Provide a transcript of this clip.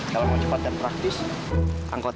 kalau mau cepat dan praktis angkot